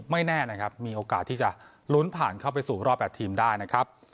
ไม่แน่นะครับมีโอกาสที่จะลุ้นผ่านเข้าไปสู่รอบ๘ทีมได้นะครับ